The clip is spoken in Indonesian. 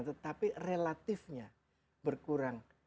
tetapi relatifnya berkurang